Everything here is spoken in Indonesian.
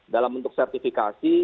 dalam bentuk sertifikasi